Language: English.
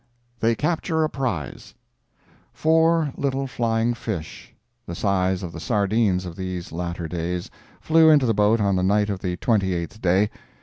THEY CAPTURE A PRIZE Four little flying fish, the size of the sardines of these latter days, flew into the boat on the night of the twenty eighth day.